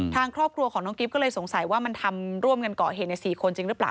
ทางครอบครัวของน้องกิ๊บก็เลยสงสัยว่ามันทำร่วมกันก่อเหตุใน๔คนจริงหรือเปล่า